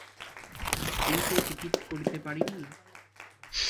তুই তো টিকিট করিতে পারিবি?